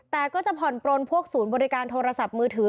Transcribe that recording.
แต่ก็จะผ่อนปลนพวกศูนย์บริการโทรศัพท์มือถือ